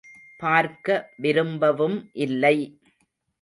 பார்க்க விரும்பவும் இல்லை.